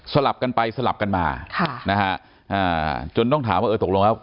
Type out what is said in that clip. ลับกันไปสลับกันมาค่ะนะฮะอ่าจนต้องถามว่าเออตกลงแล้ว